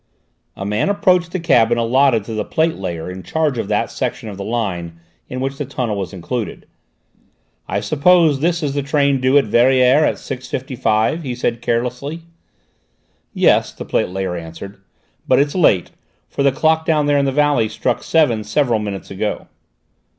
A man approached the cabin allotted to the plate layer in charge of that section of the line in which the tunnel was included. "I suppose this is the train due at Verrières at 6.55?" he said carelessly. "Yes," the plate layer answered, "but it's late, for the clock down there in the valley struck seven several minutes ago."